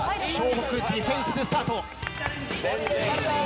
北ディフェンスでスタート。